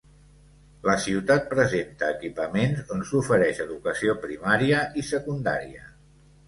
La ciutat presenta equipaments on s'ofereix educació primària i secundària.